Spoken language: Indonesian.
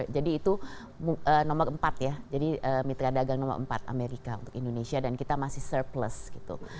jadi itu nomor empat ya jadi mitra dagang nomor empat amerika untuk indonesia dan kita masih surplus gitu